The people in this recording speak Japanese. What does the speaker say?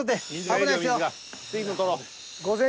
危ないですよ。